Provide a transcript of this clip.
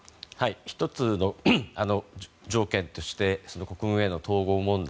１つの条件として国軍への統合問題